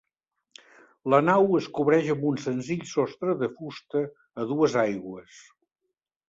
La nau es cobreix amb un senzill sostre de fusta a dues aigües.